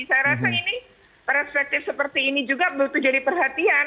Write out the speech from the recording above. saya rasa ini perspektif seperti ini juga butuh jadi perhatian